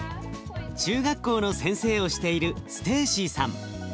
中学校の先生をしているステーシーさん。